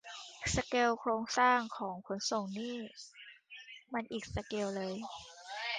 สเกลโครงสร้างขนส่งนี่มันอีกสเกลเลย